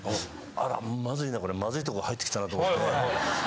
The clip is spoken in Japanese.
あらまずいなこれまずいとこ入って来たなと思って。